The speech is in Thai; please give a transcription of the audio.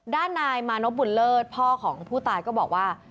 ด้านนายมานพบุญเลิศพ่อของผู้ตายก็บอกว่า